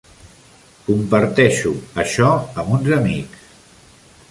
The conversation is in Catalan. Comparteixo això amb uns amics.